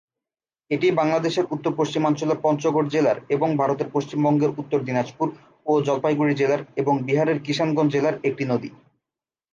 এটি বাংলাদেশের উত্তর-পশ্চিমাঞ্চলের পঞ্চগড় জেলার এবং ভারতের পশ্চিমবঙ্গের উত্তর দিনাজপুর ও জলপাইগুড়ি জেলার এবং বিহারের কিশানগঞ্জ জেলার একটি নদী।